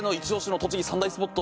栃木三大スポット］